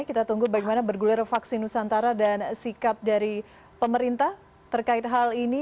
kita tunggu bagaimana bergulir vaksin nusantara dan sikap dari pemerintah terkait hal ini